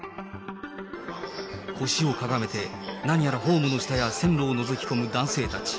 腰をかがめて、何やらホームの下や線路をのぞき込む男性たち。